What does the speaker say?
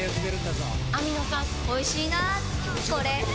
おいしいなぁこれ